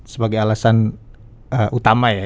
sebagai alasan utama ya